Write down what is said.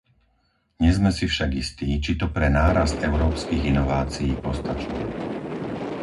Nie sme si však istí, či to pre nárast európskych inovácií postačuje.